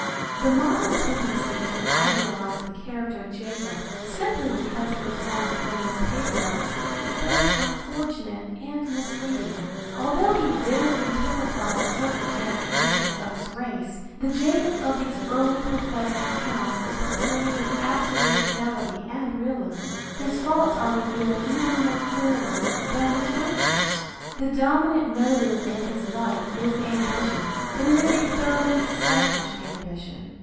The modern tendency to idealize the character of Jacob, simply because he was one of the famous patriarchs, is both unfortunate and misleading. Although he vividly typifies certain characteristics of his race, the Jacob of these early prophetic accounts is portrayed with absolute fidelity and realism. His faults are revealed even more clearly than his virtues. The dominant motive in his life is ambition, but it is a thoroughly selfish ambition.